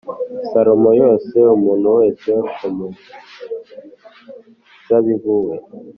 Salomo yose umuntu wese ku muzabibu we